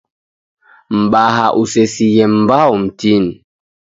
Mbaha usesighe mbao mtini.